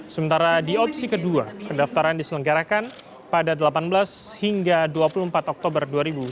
sementara di opsi kedua pendaftaran diselenggarakan pada delapan belas hingga dua puluh empat oktober dua ribu dua puluh